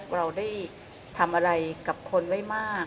เราได้ทำอะไรกับคนไว้มาก